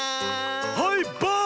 はいバーン！